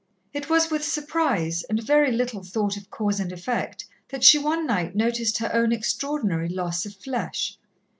It was with surprise, and very little thought of cause and effect, that she one night noticed her own extraordinary loss of flesh.